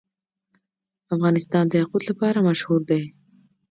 افغانستان د یاقوت لپاره مشهور دی.